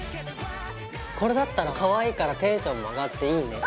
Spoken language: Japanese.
これだったらかわいいからテンションも上がっていいね！